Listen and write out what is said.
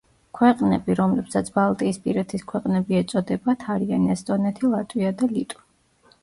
ქვეყნები რომლებსაც ბალტიისპირეთის ქვეყნები ეწოდებათ არიან: ესტონეთი, ლატვია და ლიტვა.